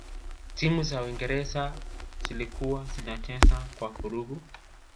timu za uingereza zilikuwa zinacheza kwa vurugu